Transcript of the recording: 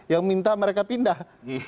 yang minta mereka pindah